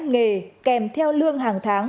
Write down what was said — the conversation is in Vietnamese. nghề kèm theo lương hàng tháng